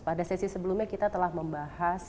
pada sesi sebelumnya kita telah membahas